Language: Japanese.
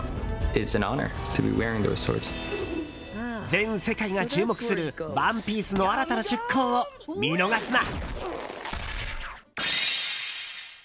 全世界が注目する「ＯＮＥＰＩＥＣＥ」の新たな出航を見逃すな！